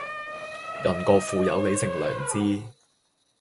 人各賦有理性良知